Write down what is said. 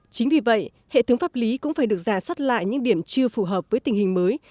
chính vì vậy hệ thống pháp lý cũng phải được giả soát lại những điểm chưa phù hợp với tình hình mới